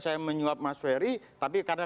saya menyuap mas ferry tapi karena